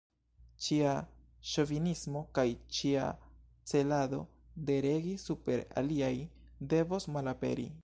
Ĉia ŝovinismo kaj ĉia celado de regi super aliaj, devos malaperi.